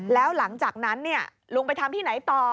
แล้วหลังจากนั้นลุงไปทำที่ไหนต่อ